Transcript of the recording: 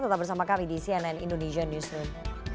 tetap bersama kami di cnn indonesian newsroom